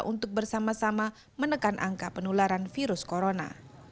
untuk bersama sama menekan angka penularan virus corona